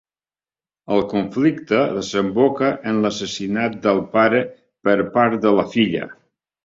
El conflicte desemboca en l'assassinat del pare per part de la filla.